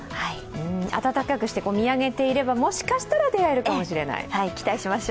暖かくして見上げていたらもしかしたら出会えるかもしれない。